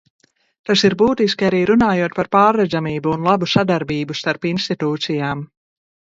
Tas ir būtiski arī runājot par pārredzamību un labu sadarbību starp institūcijām.